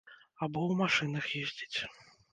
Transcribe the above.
Або ў машынах ездзіць.